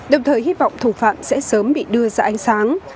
đồng thời hy vọng thủ phạm sẽ sớm bị đưa ra ánh sáng